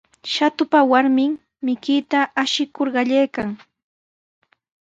Shatupa warmin mikuyta ashikur qallaykan.